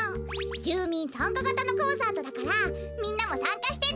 じゅうみんさんかがたのコンサートだからみんなもさんかしてね！